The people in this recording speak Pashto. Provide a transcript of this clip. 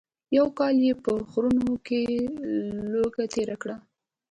یو کال یې په غرونو کې لوږه تېره کړه.